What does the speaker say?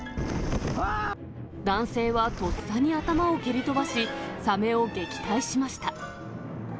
男性はとっさに頭を蹴り飛ばし、サメを撃退しました。